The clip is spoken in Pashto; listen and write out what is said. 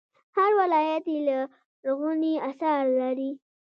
هر ولایت یې لرغوني اثار لري